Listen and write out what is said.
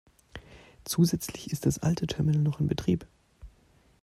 Zusätzlich ist das alte Terminal noch in Betrieb.